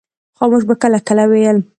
خاموش به کله کله ویل.